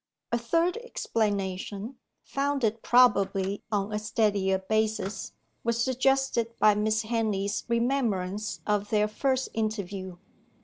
A third explanation, founded probably on a steadier basis, was suggested by Miss Henley's remembrance of their first interview.